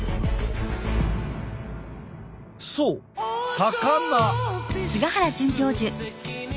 そう魚。